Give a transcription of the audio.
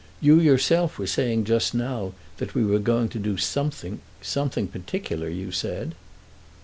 You yourself were saying just now that we were going to do something, something particular, you said."